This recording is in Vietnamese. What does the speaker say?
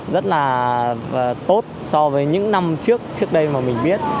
rất là tốt so với những năm trước trước đây mà mình biết